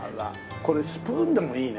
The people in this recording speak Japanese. これスプーンでもいいね。